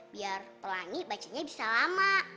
biar pelangi bacanya bisa lama